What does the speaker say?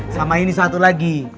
sama ini satu lagi